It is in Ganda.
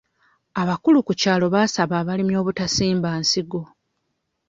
Abakulu ku kyalo baasaba abalimi obutasimba nsigo.